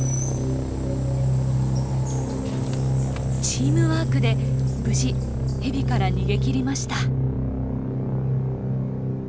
チームワークで無事ヘビから逃げきりました。